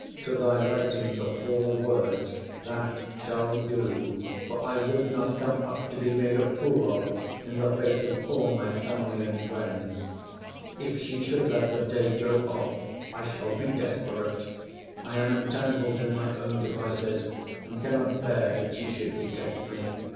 to thy writing the four words, that shall do: for I would not come up to be made a fool of in the face of all my family and friends. If she should let the day go off, I shall be desperate. I am entangled in my own devices, and cannot bear that she should detect me.